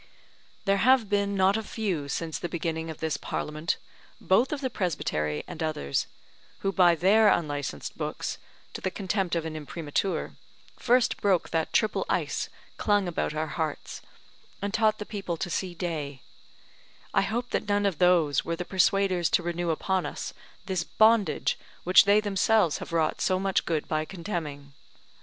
There have been not a few since the beginning of this Parliament, both of the presbytery and others, who by their unlicensed books, to the contempt of an Imprimatur, first broke that triple ice clung about our hearts, and taught the people to see day: I hope that none of those were the persuaders to renew upon us this bondage which they themselves have wrought so much good by contemning.